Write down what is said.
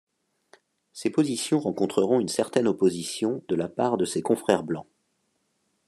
Ces positions rencontreront une certaine opposition de la part de ses confrères blancs.